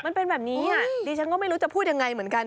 มันเป็นแบบนี้ดิฉันก็ไม่รู้จะพูดยังไงเหมือนกัน